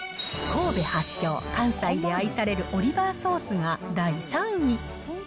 神戸発祥、関西で愛されるオリバーソースが第３位。